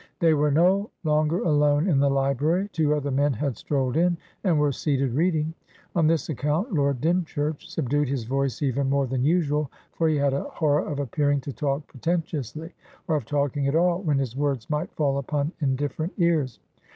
They were no longer alone in the library; two other men had strolled in, and were seated reading; on this account, Lord Dymchurch subdued his voice even more than usual, for he had a horror of appearing to talk pretentiously, or of talking at all when his words might fall upon indifferent ears.